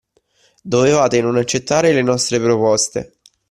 Dovevate non accettare le nostre proposte.